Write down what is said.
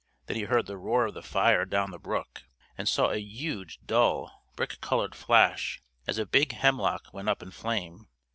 Then he heard the roar of the fire down the brook, and saw a huge dull, brick colored flash as a big hemlock went up in flame.